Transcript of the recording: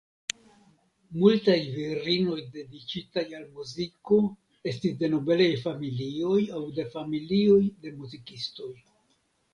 Multaj virinoj dediĉitaj al muziko estis de nobelaj familioj aŭ de familioj de muzikistoj.